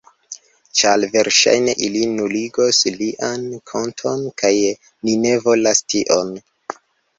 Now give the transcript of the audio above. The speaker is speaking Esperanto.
Ĉar verŝajne ili nuligos lian konton kaj ni ne volas tion.